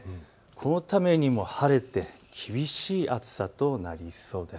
このために晴れて厳しい暑さとなりそうです。